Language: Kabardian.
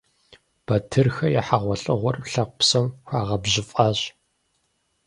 Батырхэ я хьэгъуэлӀыгъуэр лъэпкъ псом хуагъэбжьыфӀащ.